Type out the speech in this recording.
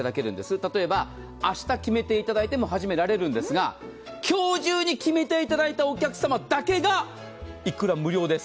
例えば明日決めていただいても始められるんですが、今日中に決めていただいたお客様だけが、いくら無料です。